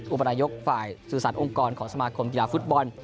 อุปนายกฝ่ายสื่อสารองค์กรของสมาคมกีฬาฟุตบอล